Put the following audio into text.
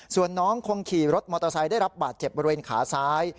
ส่วนน้องคงขี่รถมอเตอร์ไซค์ได้รับบาดเจ็บบริเวณขาซ้าย